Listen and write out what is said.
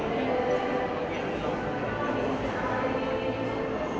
ขอบคุณทุกคนมากครับที่ทุกคนรัก